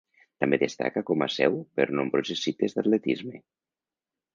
També destaca com a seu per nombroses cites d'atletisme.